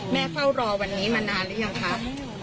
แม่เฝ้ารอวันนี้มานานหรือยังคะ